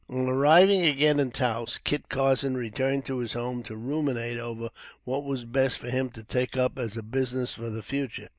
On arriving again in Taos, Kit Carson returned to his home to ruminate over what was best for him to take up as a business for the future.